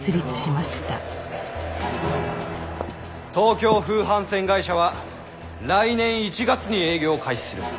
東京風帆船会社は来年１月に営業を開始する。